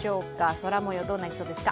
空もようどうなりそうですか。